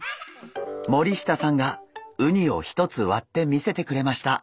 森下さんがウニを１つ割って見せてくれました。